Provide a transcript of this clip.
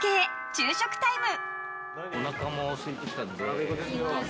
昼食タイム！